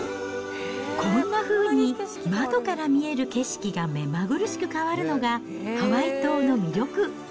こんなふうに窓から見える景色が目まぐるしく変わるのが、ハワイ島の魅力。